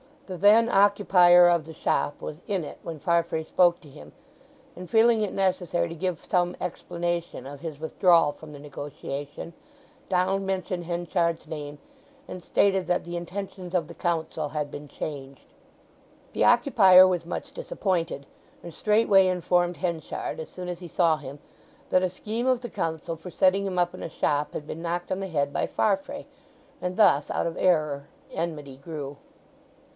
The then occupier of the shop was in it when Farfrae spoke to him and feeling it necessary to give some explanation of his withdrawal from the negotiation Donald mentioned Henchard's name, and stated that the intentions of the Council had been changed. The occupier was much disappointed, and straight way informed Henchard, as soon as he saw him, that a scheme of the Council for setting him up in a shop had been knocked on the head by Farfrae. And thus out of error enmity grew.